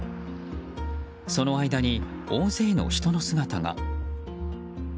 その間に大勢の人の姿が。